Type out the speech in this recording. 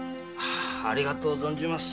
ありがとう存じます。